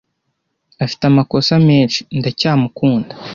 Afite amakosa menshi. Ndacyamukunda.